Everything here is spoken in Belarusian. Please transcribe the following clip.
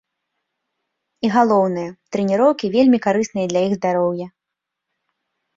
І галоўнае, трэніроўкі вельмі карысныя для іх здароўя.